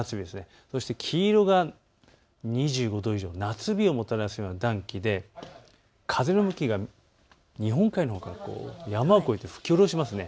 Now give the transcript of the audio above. そして黄色が２５度以上、夏日をもたらすような暖気で風の向きが日本海のほうから山を越えて吹き降ろします。